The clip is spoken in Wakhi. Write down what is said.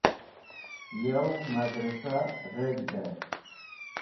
Yow Madrasah Reg̃hde